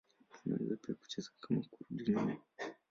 Anaweza pia kucheza kama kurudi nyuma.